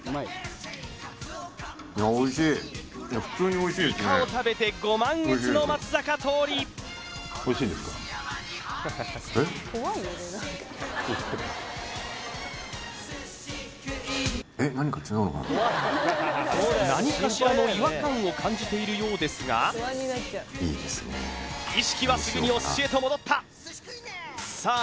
いや普通においしいですねいかを食べてご満悦の松坂桃李何かしらの違和感を感じているようですが意識はすぐにお寿司へと戻ったさあ